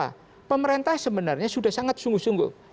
karena merentah sebenarnya sudah sangat sungguh sungguh